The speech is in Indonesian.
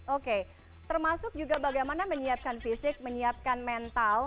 oke termasuk juga bagaimana menyiapkan fisik menyiapkan mental